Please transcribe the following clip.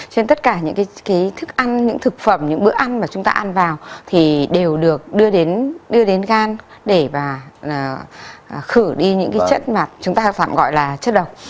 cho nên tất cả những cái thức ăn những thực phẩm những bữa ăn mà chúng ta ăn vào thì đều được đưa đến gan để khử đi những cái chất mà chúng ta gọi là chất độc